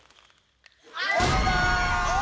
あ！